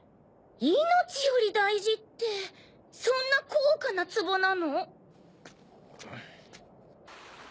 命より大事ってそんな高価なツボなの？